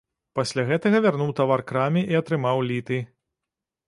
Пасля гэтага вярнуў тавар краме і атрымаў літы.